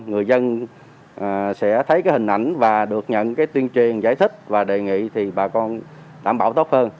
người dân sẽ thấy cái hình ảnh và được nhận cái tuyên truyền giải thích và đề nghị thì bà con đảm bảo tốt hơn